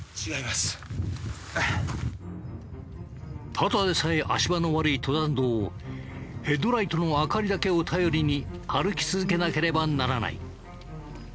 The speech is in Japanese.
ただでさえ足場の悪い登山道をヘッドライトの明かりだけを頼りに歩き続けなければならない。